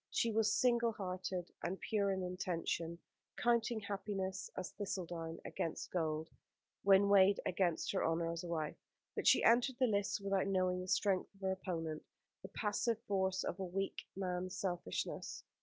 She was single hearted and pure in intention, counting happiness as thistledown against gold, when weighed against her honour as a wife; but she entered the lists without knowing the strength of her opponent, the passive force of a weak man's selfishness.